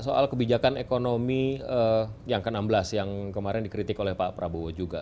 soal kebijakan ekonomi yang ke enam belas yang kemarin dikritik oleh pak prabowo juga